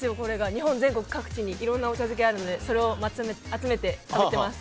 日本全国各地にいろんなお茶漬けがあるのでそれを集めて食べてます。